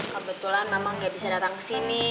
kebetulan mama gak bisa datang kesini